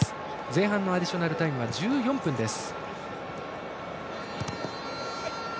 前半のアディショナルタイムは１４分です。